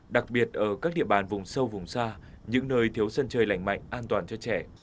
đặc biệt ở các địa bàn vùng sâu vùng xa những nơi thiếu sân chơi lành mạnh an toàn cho trẻ